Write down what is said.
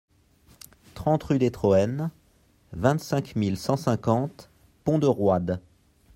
trente rue des Troênes, vingt-cinq mille cent cinquante Pont-de-Roide